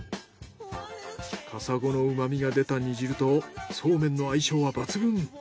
カサゴのうま味が出た煮汁とそうめんの相性は抜群。